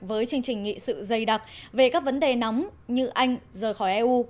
với chương trình nghị sự dày đặc về các vấn đề nóng như anh rời khỏi eu